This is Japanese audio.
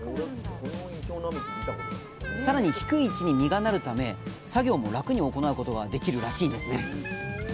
さらに低い位置に実がなるため作業も楽に行うことができるらしいんですね。